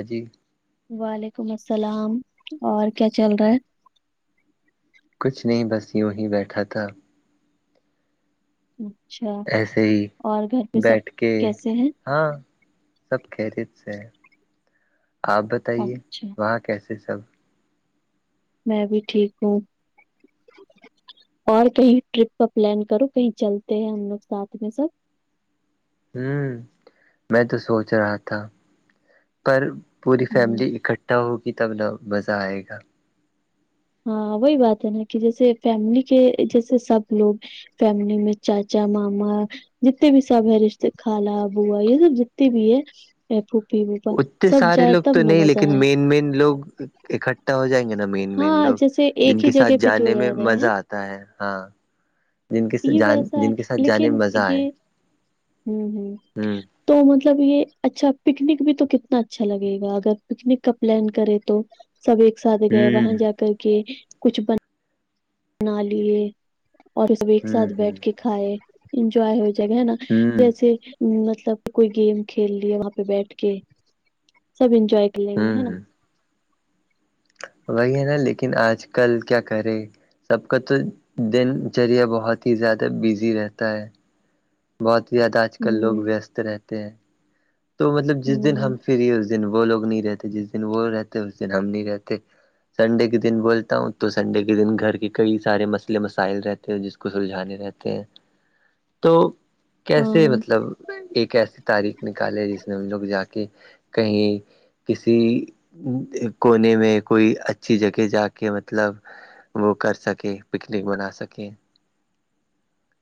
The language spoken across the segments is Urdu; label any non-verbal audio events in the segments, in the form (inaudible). ا جی وعلیکم السلام اور کیا چل رہا ہے کچھ نہیں بس یوں ہی بیٹھا تھا اچھا ایسے ہی اور گھر پہ سب بیٹھ کے کیسے ہیں ہاں سب خیریت سے ہے آپ بتائیے اچھا وہاں کے کیسے سب میں بھی ٹھیک ہوں اور کہیں ٹرپ کا پلان کرو کہیں چلتے ہیں ہم لوگ ساتھ میں سب میں تو سوچ رہا تھا پر پوری ہوں فیملی اکٹھ تو بھی تب تو مزہ آئے گا ہاں وہی بات ہے نا کہ جیسے فیملی کے جیسے سب لوگ فیملی میں چاچا ماما جتتے بھی سب ہے رشتے خالا بووا یہ سب جتتے بھی ہے پھوفی اتتے سارے لوگ تو نہیں لیکن مین مین لوگ اکٹھا ہو جائیں گے نا مین مین ہاں لوگ جیسے جن ایک ہی کے ساتھ جگہ پہ جو جانے میں رہ رہے ہیں مزہ آتا ہے۔ جن کے یہ ویسا ہے ساتھ جانے میں مزہ آئے ہمم ہمم ہ تو مطلب یہ اچھا پکنک بھی تو کتنا اچھا لگے گا اگر پکنک کا پلان کرے تو سب ایک ساتھ ہ گئے وہاں ہ جا کر کے کچھ بن اپنا لیے اور ایک ساتھ ہ بیٹھ کے کھائے انجوائے ہو جائے گا ہے نا ہ جیسے مطلب کوئی گیم کھیل لی ہے وہاں پہ بیٹھ کے سب انجو ہ (unintelligible) ہ وہی ہے نا لیکن آج کل کیا کرے سب کا تو دن چریہ بہت ہی زیادہ بزی رہتا ہے بہت زیادہ آج کل لوگ ہ ویست رہتے ہیں تو مطلب جس دن ہ ہم فری اس دن وہ لوگ نہیں رہتے جس دن وہ رہتے اس دن ہم نہیں رہتے سنڈے کے دن بولتا ہوں تو سنڈے کے دن گھر کے کئی سارے مسئلے مسائل رہتے ہیں جس کو سلجھانے رہتے ہیں تو کیسے ہاں مطلب ایک ایسی تاریخ نکال جس میں ہم لوگ جا کے کہیں کسی کونے میں کوئی اچھی جگہ جا کے مطلب وہ کر سکے پکنک بنا سکے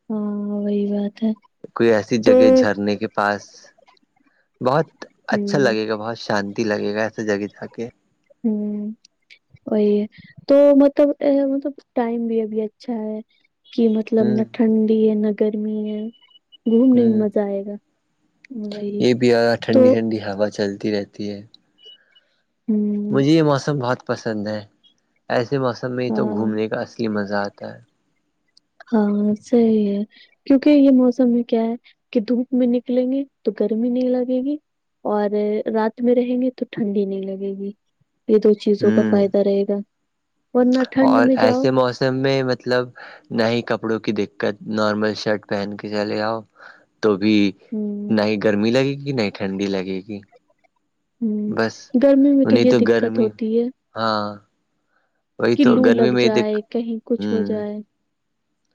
ہاں وہی بات ہے کوئی ایسی تو جگہ جھرنے کے پاس بہت اچھا ہ لگے گا بہت شانتی لگے گا ایسے جگہ جا کے ہمم وہی ہے تو مطلب مطلب ٹائم بھی ابھی اچھا ہے کہ مطلب ہوں نہ ٹھنڈی ہے نہ گرمی ہے گھومنے میں ہوں مزہ آئے گا وہی یہ بھی تو ٹھنڈی ٹھنڈی ہوا چلتی رہتی ہے ہوں مجھے یہ موسم بہت پسند ہے ایسے موسم میں ہی تو ہاں گھومنے کا اصلی مزہ آتا ہے ہاں صحی ہے کیونکہ یہ موسم میں کیا ہے کہ دھوپ میں نکلیں گے تو گرمی نہیں لگے گی اور رات میں رہیں گے تو ٹھنڈی نہیں لگے گی یہ دو چیزوں کا ہوں فائدہ رہے گا ورنہ ٹھنڈ اور میں جاؤ ایسے موسم میں مطلب نہ ہی کپڑوں کی دقت نارمل شرٹ پہن کے چلے آاؤ تو بھی ہوں نہ ہی گرمی لگے گی نہ ٹھنڈی لگے گی ہوں بس گرمی میں تو نہیں یہ دقت گرمی ہوتی ہے ہاں وہی تو کلو گرمی لگ میں یہ دق جائے کہیں کچھ ہو ہوں جائے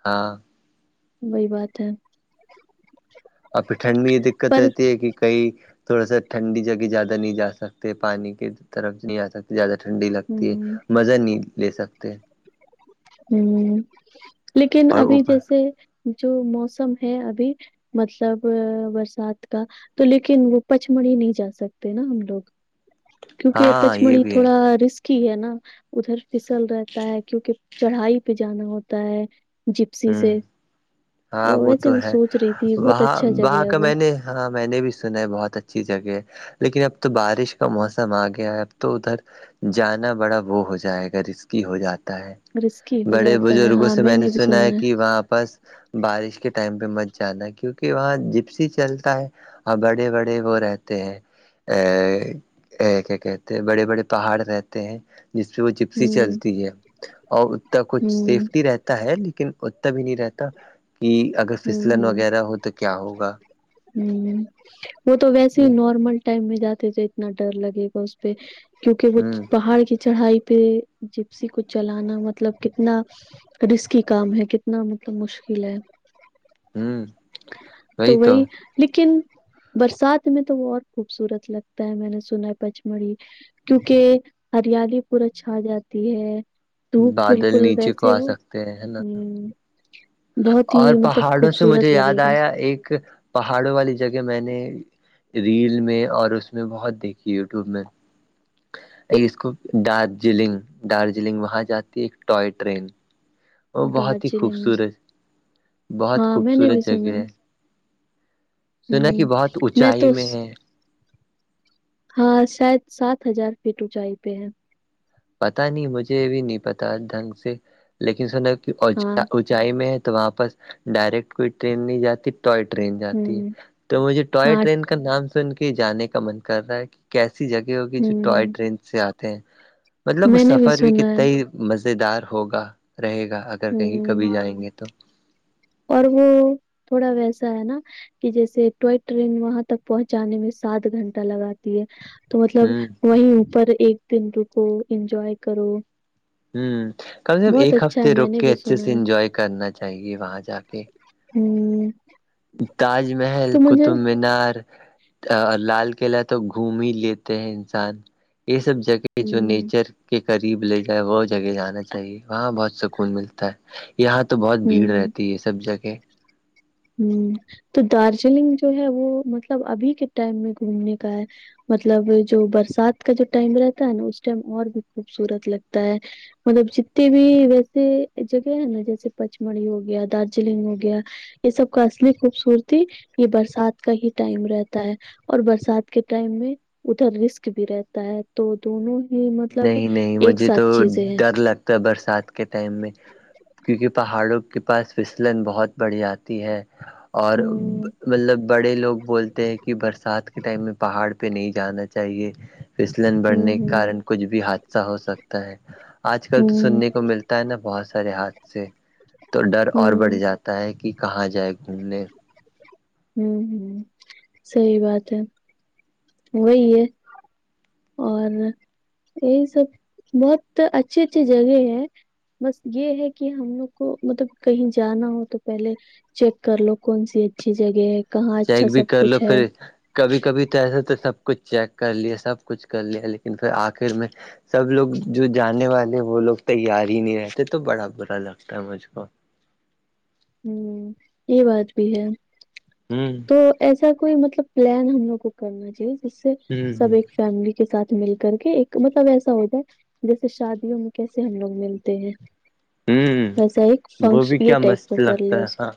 ہاں وہی بات ہے ابھی ٹھنڈ میں یہ دقت پر رہتی ہے کہ کئی تھوڑا سا ٹھنڈی جگہ زیادہ نہیں جا سکتے پانی کی طرف نہیں آ سکتے زیادہ ٹھنڈی لگتی ہے ہوں مزہ نہیں لے سکتے لیکن اور ابھی اوپر جیسے جو موسم ہے ابھی مطلب برسات کا تو لیکن وہ پچ مڑھی نہیں جا سکتے نا ہم لوگ کیونکہ ہاں یہ پچمڑی بھی ہے تھوڑا رسکی ہے نا ادھر پھسل رہتا ہے کیونکہ چڑھائی پہ جانا ہوتا ہے جپسی ہوں سے ہاں وہ ویسے تو میں ہے سوچ رہی تھی بہت وہاں اچھا وہاں جگہ ہے کا وہ میں نے ہاں میں نے بھی سنا ہے بہت اچھی جگہ ہے لیکن اب تو بارش کا موسم آ گیا ہے اب تو ادھر جانا بڑا وہ ہو جائے گا رسکی ہو جاتا ہے رسکی ہو بڑے جاتا ہے بزرگوں ہاں سے میں نے بھی سنا ہے کہ وہاں پرس بارش کے ٹائم پہ مچ جانا کیونکہ وہاں جپسی چلتا ہے اور بڑے بڑے وہ رہتے ہیں کیا کہتے ہیں بڑے بڑے پہاڑ رہتے ہیں جس پ وہ جپسی ہوں چلتی ہے اور انا کچھ ہوں سیفٹی رہتا ہے لیکن اتتا بھی نہیں رہتا کہ اگر ہوں پسلن ہوں وغیرہ ہو تو کیا ہوگا وہ تو ویسے ہی ہ نارمل ٹائم میں جاتے تھے اتنا ڈر لگے گا اس پہ کیونکہ وہ ہ پہاڑ کی چڑھائی پہ جپسی کو چلانا مطلب کتنا رسکی کام ہے کتنا مطلب مشکل ہے ہوں تو وہی لیکن برسات میں تو وہ اور خوبصورت لگتا ہے میں نے سنا ہے پچ مڑھی کیونکہ ہریالی پور چھا جاتی ہے دھوپ بادل بالکل نیچے کو ویسے آ وہ سکتے ہیں ہے نا بہت ہی مطلب پاڑوں سے مجھے خوبصورت لگے یاد گا آیا ایک پہاڑوں والی جگہ میں نے ریل میں اور اس میں بہت دیکھی یوٹیوب میں اس کو دارجلنگ دارجلنگ وہاں جاتی ہے ایک ٹوائے ٹرین وہ بہت ہی دارجلنگ خوبصورت بہت ہاں میں نے بھی خوبصورت سنا جگہ ہے سنا کہ ہ بہت اونچائی میں ہے ہاں شاید سات ہزار فٹ اونچائی پہ ہے پتا نہیں مجھے بھی نہیں پتا ڈھنگ سے لیکن سنا کہ ہاں ونچائی میں ہے تو وہاں پرس ڈائریکٹ کوئی ٹرین نہیں جاتی ٹوائے ٹرین جاتی ہے ہوں تو مجھے ٹوائے ہاں ٹرین کا نام سن کے جانے کا من کر رہا ہے کہ کیسی جگہ ہوگی جو ٹوائے ہوں ٹرین سے آتے ہیں مطلب وہ میں نے سفر بھی سنا ہے کتنا ہی مز دار ہوگا رہے گا اگر کہیں ہوں کبھی جائیں گے تو اور وہ تھوڑا ویسا ہے نا کہ جیسے ٹوائ ٹرین وہاں تک پہنچانے میں سات گھنٹہ لگات تو مطلب ہوں وہیں اوپر ایک دن رکو انجوائے کرو ہوں کم سے کم بہت ایک اچھا ہے ہفتے میں رک نے کے بھی اچھے سے سنا ہے انجوائے کرنا چاہیے وہاں جا کے ہوں تاج محل تو مجھے قطب مینار لال قلعہ تو گھوم ہی لیتے ہیں انسان یہ سب جگہ کہ جو ہوں نیچر کے قریب لے جائے وہ جگہ جانا چاہیے وہاں بہت سکون ملتا ہے یہاں تو بہت بھیڑ ہوں رہتی ہے سب جگہ ہ تو دارجلنگ جو ہے وہ مطلب ابھی کے ٹائم میں گھومنے کا ہے مطلب جو برسات کا جو ٹائم رہتا ہے نا اس ٹائم اور بھی خوبصورت لگتا ہے مطلب جتنے بھی ویسے جگہ ہے نا جیسے پچمڑھی ہو گیا دارجلنگ ہو گیا یہ سب کا اصلی خوبصورتی یہ برسات کا ہی ٹائم رہتا ہے اور برسات کے ٹائم میں ادھر رسک بھی رہتا ہے تو دونوں ہی مطلب نہیں نہیں ایک مجھے ساتھ چیزیں ہیں ڈر لگتا تو برسات کے ٹائم میں کیونکہ پہاڑوں کے پاس فسلن بہت بڑھی جی ہے اور ہوں مطلب بڑے لوگ بولتے ہیں کہ برسات کے ٹائم میں پہاڑ نہیں جانا چاہیے فسلن ہوں بڑھنے کے ہوں کارن کو بھی حادثہ ہو سکتا ہے آج کل تو ہوں سننے کا ملتا ہے نا بہت سارے ہاتھ سے تو ڈر اور بڑھ ہوں جاتا ہے کہ کہاں جائے گا (unintelligible) ہوں ہ سحی بات ہے وہی ہے اور یہی سب بہت اچھی اچھی جگہ ہے بس یہ ہے کہ ہم لوگ کو مطلب کہیں جانا ہو تو پہلے چیک کر لو کون سی اچھی جگہ ہے کہاں چیک اچھا بھی سب کر لو کچھ ہے پھر کبھی کبھی تو ایسے تو سب کچھ چیک کر لیا سب کچھ کر لیا لیکن پھر آخر میں سب لوگ جو جانے والے وہ لوگ تیار ہی نہیں رہتے تو بڑا برا لگتا ہے مجھ کو ہوں یہ بات بھی ہے ہوں تو ایسا کوئی مطلب پلان ہم لوگ کو کرنا چاہیے جس سے ہ سب ایک فیملی کے ساتھ مل کر کے ایک مطلب ایسا ہو جائے جیسے شادیوں میں کیسے ہم لوگ ملتے ہیں ہوں ویسا ایک وہ بھی فنکشن یہ کیا ٹائپ کا مست کر لے لگتا ہے اس کو ہاں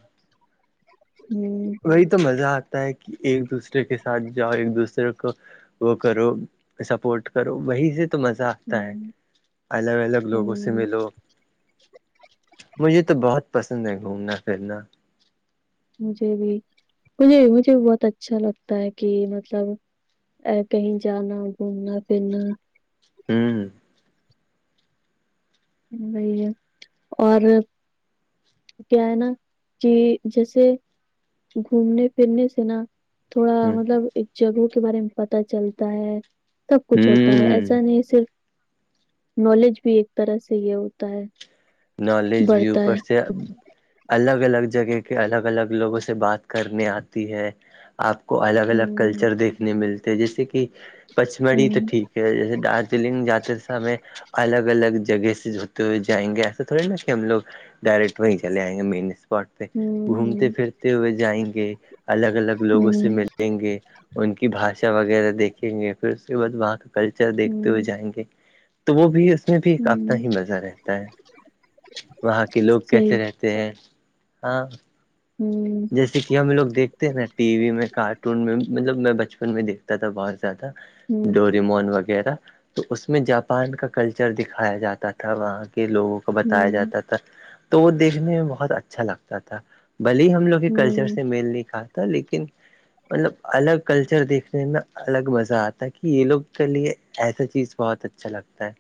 ہ وہی تو مزہ آتا ہے کہ ایک دوسرے کے ساتھ جاؤ ایک دوسرے کو وہ کرو سپورٹ کرو وہی سے تو مزہ ہ آتا ہے الگ الگ لوگوں سے ہ ملو مجھے تو بہت پسند ہے گھومنا پھرنا مجھے بھی مجھے مجھے بھی بہت اچھا لگتا ہے کہ مطلب کہیں جانا گھومنا پھرنا ہوں وہی ہے اور کیا ہے نا کہ جیسے گھومنے پھرنے سے نا تھوڑا ہ مطلب ایک جگہوں کے بارے میں پتا چلتا ہے سب کچھ ہوتا ہے ہوں ایسا نہیں صرف نالج بھی ایک طرح سے سے یہ ہوتا ہے نالج بھیو بڑھتا پرر ہے سے الگ الگ جگہ کے الگ الگ لوگوں سے بات کرنے آتی ہے آپ کو الگ الگ ہوں کلچر دیکھنے ملتے ہیں جیسے کہ پچمڑھی تو ہوں ٹھیک جیسے دارجلنگ جاتے تھ ہمیں الگ الگ جگہ سے ہوتے ہوئے جائیں گے ایسا تھ نا کہ ہم لوگ ڈائریکٹ وہیں چے آئیں گے مین اسپٹ پہ ہوں گھومتے ہوں پھرتے ہوئے جائیں گے الگ الگ لوگوں سے ہوں ملیں گے ان کی بھاشا وغیرہ دیکھیں گے پھر اس کے بعد وہاں کا کلچر دیکھتے ہوئے ہوں جائیں گے تو وہ بھی اس میں بھی ایک آفنا ہوں ہی مزہ رہتا ہے وہاں کے لوگ صحیح کیسے رہتے ہیں ہاں ہوں جیسے کہ ہم لوگ دیکھتے ہیں نا ٹی وی میں کارٹون میں مطلب میں بچپن میں دیکھتا تھا بہت تھا ہوں ڈول (unintelligible) ریمون وغیرہ تو اس میں جاپان کا کلچر دکھایا جاتا تھا وہاں لوگوں کو بتایا ہوں جاتا تھا تو وہ دیکھنے میں بہت اچھا لگتا تھا بھلی ہم لوگ کلچر ہوں سے میل نہیں کھا تھا لیکن مطلب الگ کلچر دیکھنے میں الگ مزہ آتا ہے کہ یہ لوگ کے لیے ایسا چیز بہت اچھا لگتا ہے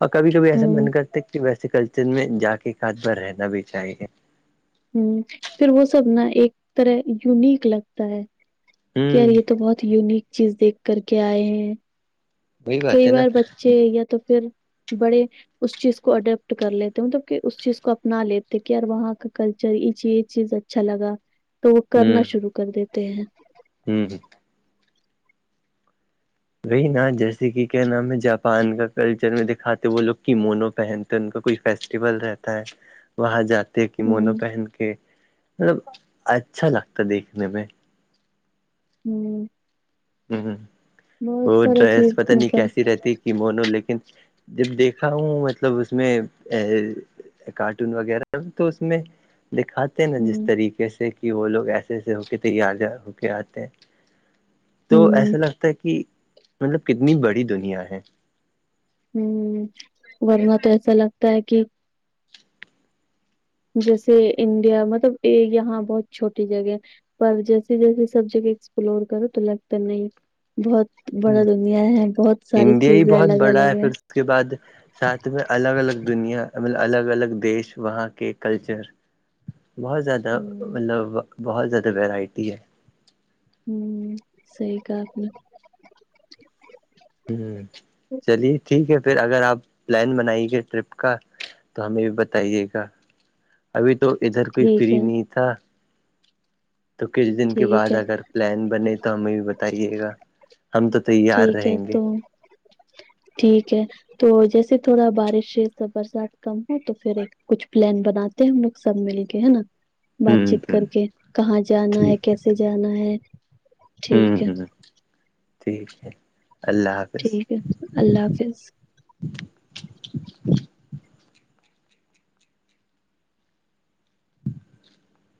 اور کبھی کبھی ایسا ہوں من کرتے کہ ویسے کلچر میں جا کے ہاتھ بار رہنا بھی چاہیے پھروہ سب نا ایک طرح یونیک لگتا ہے یار ہوں یہ تو بہت یونیک چیز دیکھ کر کے آئے ہیں وہی بات کئی ہے نا بار بچے یا تو پھر بڑے اس چیز کو اڈیپٹ کر لیتے مطلب کہ اس چیز کو اپنا لیتے کہ یار وہاں کا کلچر یہ چیز یہ چیز اچھا لگا تو وہ کرنا ہوں شروع کر دیتے ہیں ہوں ہ (unintelligible) وہی نا جیسے کہ کیا نام ہے جاپان کا کلچر میں دکھاتے وہ لوگ کیمونو پہنتے ان کا کچھ فیسٹیول رہتا ہے وہاں جاتے ہیں کہ مونو ہوں پہن کے مطلب اچھا لگتا دیکھنے میں ہوں (unintelligible) ہ بہت وہ سارا ڈرس چیز پت نہیں مطلب کیسی رہتی کہ مونو لیکن (unintelligible) جب دیکھا ہوں مطلب اس میں کارٹون وغیرہ تو اس میں دکھات نا جس ہ طریقے سے کہ وہ لوگ ایسے ایسے ہو کے تیار ہو کے آتے ہیں تو ہ ایسا لگتا ہے کہ مطلب کتنی بڑی دنیا ہے ہوں ورنہ تو ایسا لگتا ہے کہ جیسے انڈیا مطلب یہاں بہت چھوٹی جگہ پر جیسی جیسی سب جگہ ایکسپلور کرو تو لگتا نہیں بہت بڑا ہوں دنیا ہے بہت ساری انڈیا ہی چیزیں بہت الگ بڑا الگ پھر ہے اس کے بعد ساتھ میں الگ الگ دنیا مطلب الگ الگ دیش وہاں کے کلچر بہت زیادہ ہوں مطلب بہت زیادہ وورائٹی ہے ہوں سی کا (unintelligible) چلیے ٹھیک ہے پھر اگر آپ پلان بنائی گے ٹرپ کا تو ہمیں بھی بتائیے گا ابھی تو ادھر کوئی ٹھیک فری ہے نہیں تھا تو کچھ دن کے ٹھیک بعد ہے اگر پلان بنے تو ہمیں بھی بتائیے گا ہم تو تیار ٹھیک ہے رہیں گے تو ٹھیک ہے تو جیسے تھوڑا بارش س برسات کم ہو تو پھر ایک کچھ پلان بناتے ہیں ہم لوگ سب مل کے ہے نا بات ہوں چیت ہ کر کے کہاں جانا ہے ٹھیک کیسے ٹھیک جانا ہے ٹھیک ہے ہ ہ ٹھیک ہے اللہ حافظ ٹھیک ہے اللہ حافظ (inaudible)